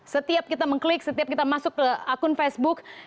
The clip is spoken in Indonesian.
setiap kita mengklik setiap kita masuk ke akun facebook